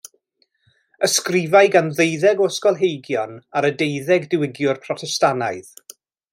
Ysgrifau gan ddeuddeg o ysgolheigion ar y deuddeg diwygiwr Protestannaidd.